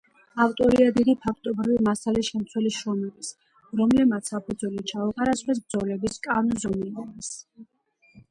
ავტორია დიდი ფაქტობრივი მასალის შემცველი შრომების, რომელებმაც საფუძველი ჩაუყარა ზღვის ბრძოლების კანონზომიერებას.